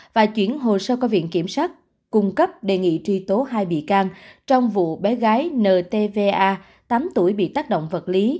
và chuyển hồ sơ qua viện kiểm sát cung cấp đề nghị truy tố hai bị can trong vụ bé gái ntva tám tuổi bị tác động vật lý